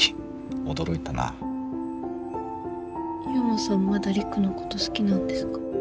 悠磨さんまだ陸のこと好きなんですか？